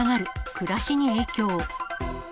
暮らしに影響。